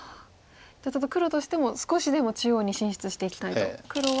じゃあちょっと黒としても少しでも中央に進出していきたいと。